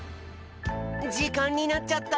じかんになっちゃった！